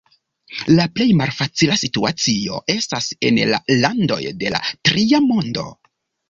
La plej malfacila situacio estas en la landoj de la Tria Mondo.